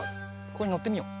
ここにのってみよう。